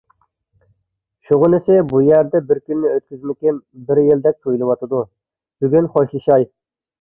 شۇغىنىسى بۇ يەردە بىر كۈننى ئۆتكۈزمىكىم بىر يىلدەك تۇيۇلۇۋاتىدۇ، بۈگۈن خوشلىشاي.